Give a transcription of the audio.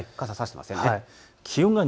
傘、差していませんね。